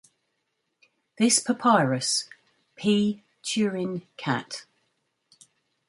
This papyrus, P. Turin Cat.